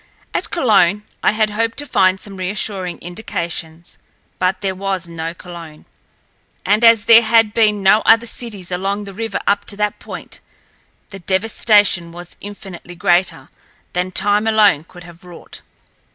At Cologne, I had hoped to find some reassuring indications, but there was no Cologne. And as there had been no other cities along the river up to that point, the devastation was infinitely greater than time alone could have wrought.